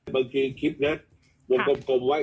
บางทีคลิปเนี่ยวงกลมไว้